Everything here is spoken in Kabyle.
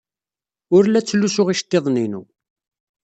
Ur la ttlusuɣ iceḍḍiḍen-inu.